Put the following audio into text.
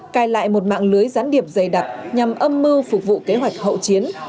cài lại một mạng lưới gián điệp dày đặc nhằm âm mưu phục vụ kế hoạch hậu chiến